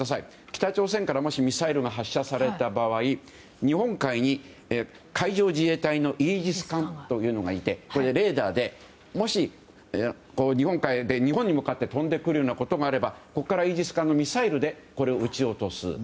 北朝鮮からもしミサイルが発射された場合日本海に海上自衛隊のイージス艦というのがいてレーダーでもし、日本海で日本に向かって飛んでくるようなことがあればここからイージス艦のミサイルで撃ち落とす。